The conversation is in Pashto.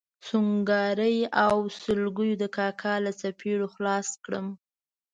سونګاري او سلګیو د کاکا له څپېړو خلاص کړم.